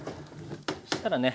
そしたらね